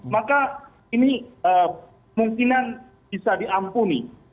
maka ini kemungkinan bisa diampuni